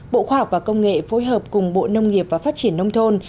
bộ khoa học và công nghệ phối hợp cùng bộ nông nghiệp và phát triển nông thôn